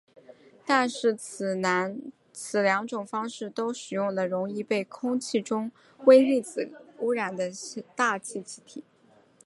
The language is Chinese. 但是此两种方法都使用了容易被空气中微粒子污染的大气气体。